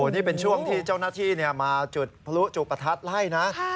นี่เป็นช่วงที่เจ้าหน้าที่เนี่ยมาจุดพลุจุปทัศน์ไล่นะ